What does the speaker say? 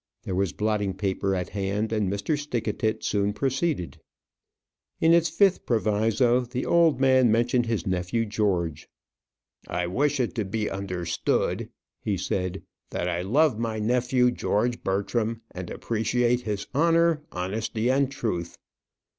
There was blotting paper at hand, and Mr. Stickatit soon proceeded. In its fifth proviso, the old man mentioned his nephew George. "I wish it to be understood," he said, "that I love my nephew, George Bertram, and appreciate his honour, honesty, and truth."